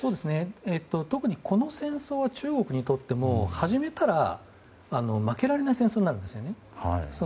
特に、この戦争は中国にとっても始めたら負けられない戦争になるんです。